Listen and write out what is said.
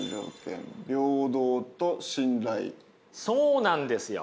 そうなんですよ。